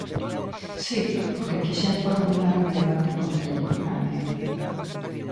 Si, porque quixen formular un debate contemporáneo.